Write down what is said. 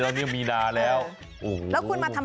เป็นเดือนแห่งความรัก